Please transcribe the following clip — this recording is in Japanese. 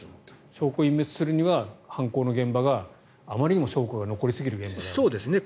証拠隠滅するには犯行の現場があまりにも証拠が残りすぎる現場であると。